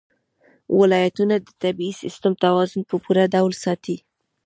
ولایتونه د طبعي سیسټم توازن په پوره ډول ساتي.